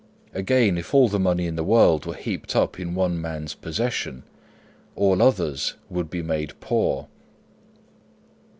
Again, if all the money in the world were heaped up in one man's possession, all others would be made poor.